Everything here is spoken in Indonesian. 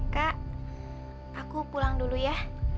kak aku pulang dulu ya